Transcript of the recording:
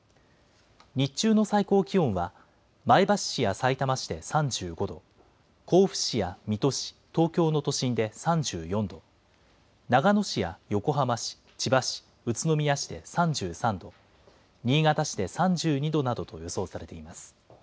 日中の最高気温は前橋市やさいたま市で３５度、甲府市や水戸市、東京の都心で３４度、長野市や横浜市、千葉市、宇都宮市で３３度、新潟市で３２度などと予想されています。